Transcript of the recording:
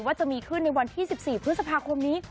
จะมีขึ้นในวันที่๑๔พฤษภาคมนี้